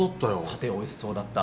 サテおいしそうだった。